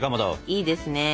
いいですね。